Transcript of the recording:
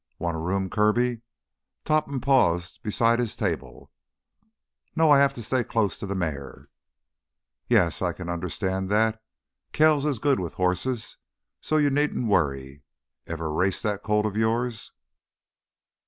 "Want a room, Kirby?" Topham paused beside his table. "No. I have to stay close to the mare." "Yes. I can understand that. Kells is good with horses, so you needn't worry. Ever raced that colt of yours?"